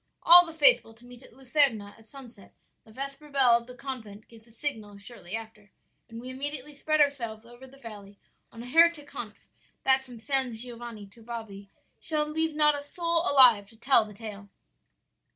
"'All the faithful to meet at Luserna at sunset; the vesper bell of the convent gives the signal shortly after, and we immediately spread ourselves over the valley on a heretic hunt that from San Giovanni to Bobbi shall leave not a soul alive to tell the tale.'